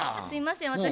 すいません